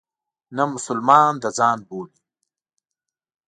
نه مسلمانان د ځان بولي.